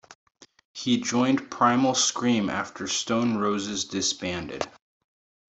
He joined Primal Scream after Stone Roses disbanded.